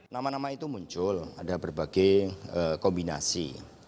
nama nama itu muncul ada berbagai kombinasi